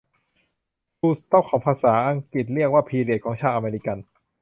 ฟูลสตอปของภาษาอังกฤษเรียกว่าพิเรียดของชาวอเมริกัน